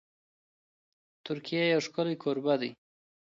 ترکیه یو ښکلی کوربه دی.